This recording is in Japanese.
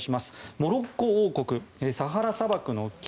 モロッコ王国サハラ砂漠の北